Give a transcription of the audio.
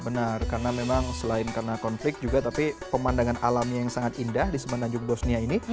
benar karena memang selain karena konflik juga tapi pemandangan alamnya yang sangat indah di semenanjung bosnia ini